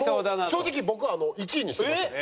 正直僕１位にしてました。